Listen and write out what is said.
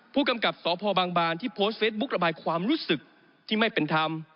ผู้กำกับสพบางบานที่โพสต์เฟซบุ๊กระบายความรู้สึกที่ไม่เป็นธรรม